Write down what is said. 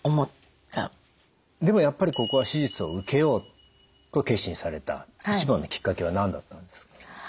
でもやっぱりここは手術を受けようと決心された一番のきっかけは何だったんですか？